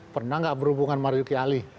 pernah nggak berhubungan marzuki ali